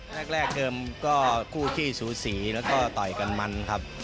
แรกเดิมก็คู่ขี้สูสีแล้วก็ต่อยกันมันครับ